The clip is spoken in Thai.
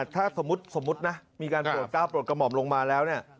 ถ้าสมมุตินะมีการโปรดก้าวโปรดกระหม่อมลงมาแล้วเนี่ย